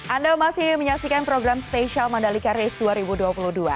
anda masih menyaksikan program spesial mandalika race dua ribu dua puluh dua